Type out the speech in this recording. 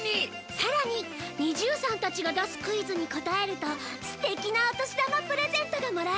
さらに ＮｉｚｉＵ さんたちが出すクイズに答えると素敵なお年玉プレゼントがもらえるわよ！